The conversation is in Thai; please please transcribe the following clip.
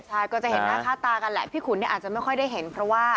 ใช่ก็จะเห็นหน้าค่าตากันแหละพี่ขุนเนี่ยอาจจะไม่ค่อยได้เห็นเพราะว่า